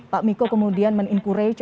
pak miko kemudian men encourage